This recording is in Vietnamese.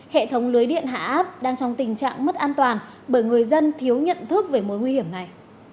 hệ thống lưới điện hạ áp đang trong tình trạng mất an toàn bởi người dân thiếu nhận thức về mối nguy hiểm này